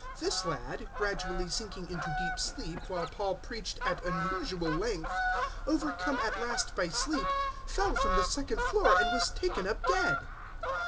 This lad, gradually sinking into deep sleep while Paul preached at unusual length, overcome at last by sleep, fell from the second floor and was taken up dead.